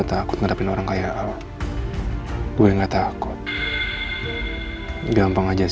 enggak enggak enggak